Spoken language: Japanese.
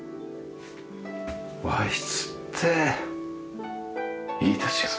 和室っていいですよね。